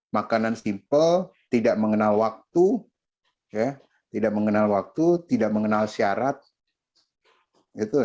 makanan simpel tidak mengenal waktu tidak mengenal syarat